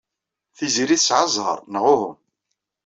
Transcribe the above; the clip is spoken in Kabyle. Tiziri tesɛa zzheṛ, neɣ uhu?